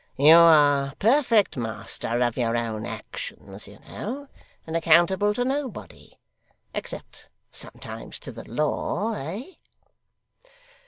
You are perfect master of your own actions, you know, and accountable to nobody except sometimes to the law, eh?